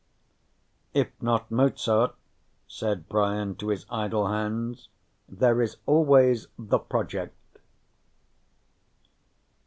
"If not Mozart," said Brian to his idle hands, "there is always The Project."